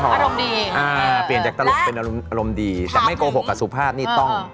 อารมณ์ดีอ่าเปลี่ยนจากตลกเป็นอารมณ์ดีแต่ไม่โกหกกับสุภาพนี่ต้อง